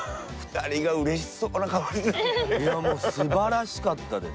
いやもう素晴らしかったです。